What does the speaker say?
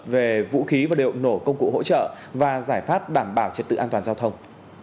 về vũ khí và liệu nổ công cụ hỗ trợ và giải pháp đảm bảo trật tự an toàn giao thông